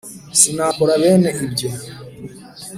sinakora bene ibyo.